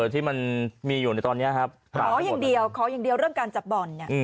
ที่มันมีอยู่ในตอนนี้ครับขออย่างเดียวเริ่มการจับบอลเนี่ย